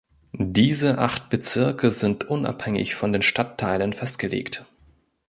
Diese acht Bezirke sind unabhängig von den Stadtteilen festgelegt.